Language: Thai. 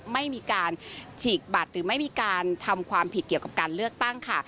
ไม่มีการฉีกบัตรหรือไม่มีการทำความผิดเกี่ยวกับการเลือกตั้งค่ะ